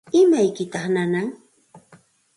¿Imaykitaq nanan?